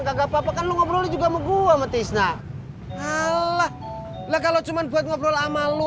kagak papa kan lu ngobrol juga mau gua mati sna allah lah kalau cuman buat ngobrol sama lu